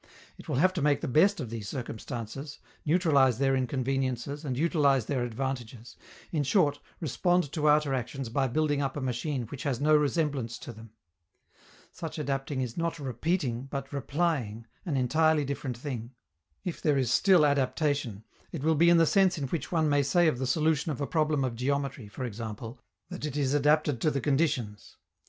It will have to make the best of these circumstances, neutralize their inconveniences and utilize their advantages in short, respond to outer actions by building up a machine which has no resemblance to them. Such adapting is not repeating, but replying, an entirely different thing. If there is still adaptation, it will be in the sense in which one may say of the solution of a problem of geometry, for example, that it is adapted to the conditions.